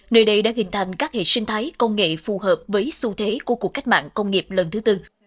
nơi đây đã hình thành các hệ sinh thái công nghệ phù hợp với xu thế của cuộc cách mạng công nghiệp lần thứ tư